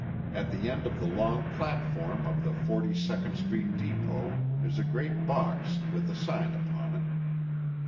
At the end of the long platform of the Forty second Street depot is a great box with a sign upon it.